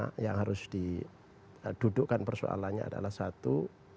yang pertama yang harus didudukkan persoalannya adalah satu